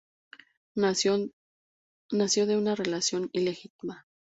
Nació de una relación ilegítima.